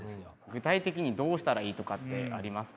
具体的にどうしたらいいとかってありますか？